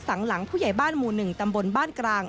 หลังผู้ใหญ่บ้านหมู่๑ตำบลบ้านกลาง